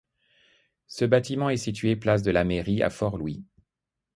Ce bâtiment est situé place de la Mairie à Fort-Louis.